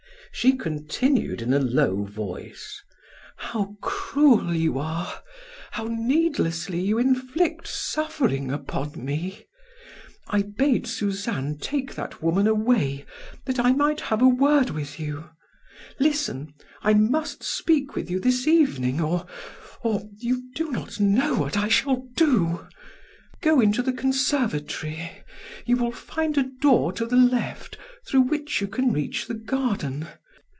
She continued in a low voice: "How cruel you are! How needlessly you inflict suffering upon me. I bade Suzanne take that woman away that I might have a word with you. Listen: I must speak to you this evening or or you do not know what I shall do. Go into the conservatory. You will find a door to the left through which you can reach the garden.